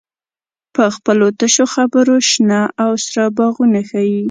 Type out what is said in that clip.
په خپلو تشو خبرو شنه او سره باغونه ښیې.